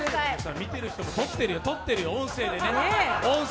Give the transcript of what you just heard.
見てる人も録ってるよ、録ってるよ、音声でね。